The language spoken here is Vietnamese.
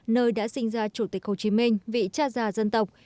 nơi đã sinh ra chủ tịch hồ chí minh vị cha già dân tộc